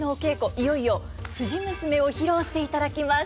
いよいよ「藤娘」を披露していただきます。